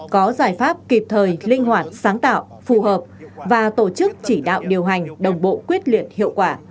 có giải pháp kịp thời linh hoạt sáng tạo phù hợp và tổ chức chỉ đạo điều hành đồng bộ quyết liệt hiệu quả